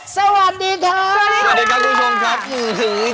สวัสดีครับสวัสดีครับสวัสดีครับคุณผู้ชมครับ